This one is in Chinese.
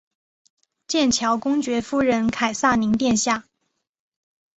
剑桥公爵夫人凯萨琳殿下。